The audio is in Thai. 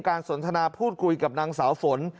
สนทนาพูดคุยกับนางสาวฝน